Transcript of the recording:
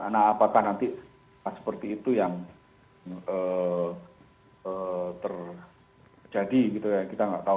nah apakah nanti seperti itu yang terjadi gitu ya kita nggak tahu